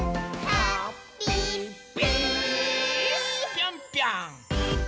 ぴょんぴょん！